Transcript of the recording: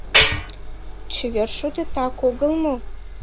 Чевер шудетак огыл мо?